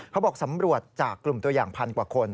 เขาบอกสำรวจจากกลุ่มตัวอย่างพันกว่าคน